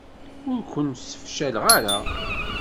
Ur ken-sefcaleɣ ara.